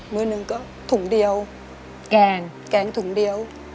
มือหนึ่งก็ถุงเดียวแกงแกงถุงเดียว